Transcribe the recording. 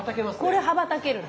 これ羽ばたけるわ。